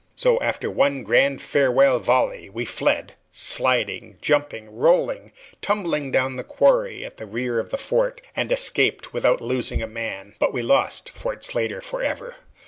So, after one grand farewell volley, we fled, sliding, jumping, rolling, tumbling down the quarry at the rear of the fort, and escaped without losing a man. But we lost Fort Slatter forever.